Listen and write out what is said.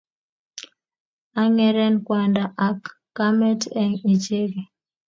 Ang'eren kwanda ak kamet eng' icheke